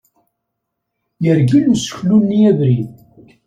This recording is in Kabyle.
Yergel useklu-nni abrid.